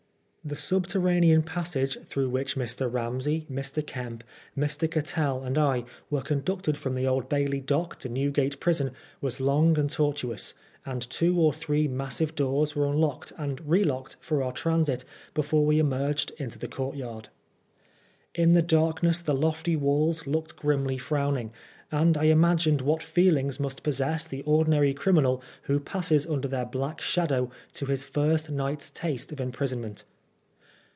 The subterranean passage through which Mr. Ramsey, Mr. Kemp, Mr. Cattell, and I were conducted from the Old Bailey dock to Newgate prison, was long and tor tuous, and two or three massive doors were unlocked and relocked for our transit before we emei^ed into the courtyard. In the darkness the lofty walls looked grimly frowning, and I imagined what feelings must possess the ordinary criminal who passes under their black shadow to his first night's taste of imprisonment.